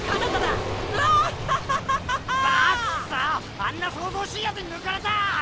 あんな騒々しいヤツに抜かれた！